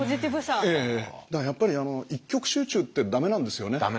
だからやっぱり一極集中ってダメなんですよね。